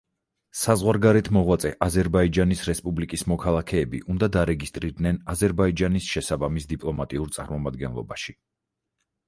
საზღვარგარეთ მოღვაწე აზერბაიჯანის რესპუბლიკის მოქალაქეები უნდა დარეგისტრირდნენ აზერბაიჯანის შესაბამის დიპლომატიურ წარმომადგენლობაში.